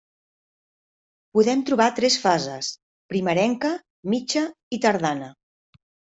Podem trobar tres fases: primerenca, mitja i tardana.